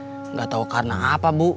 tidak tahu karena apa bu